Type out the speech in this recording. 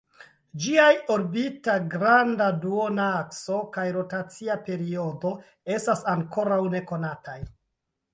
Ĝiaj orbita granda duonakso kaj rotacia periodo estas ankoraŭ nekonataj.